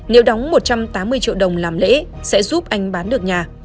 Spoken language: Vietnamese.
nếu đóng một trăm tám mươi triệu đồng làm lễ sẽ giúp anh bán được nhà